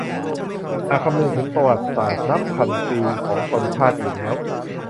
หากคำนึงถึงประวัติศาสตร์นับพันปีของชนชาติอื่นแล้ว